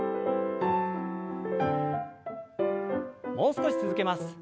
もう少し続けます。